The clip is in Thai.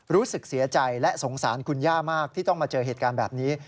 รู้สึกเสียใจและสงสารคุณย่ามากที่ต้องมาเจอเหตุการณ์แบบนี้